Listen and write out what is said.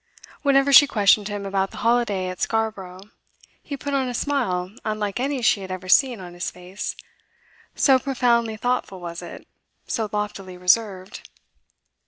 Whenever she questioned him about the holiday at Scarborough, he put on a smile unlike any she had ever seen on his face, so profoundly thoughtful was it, so loftily reserved.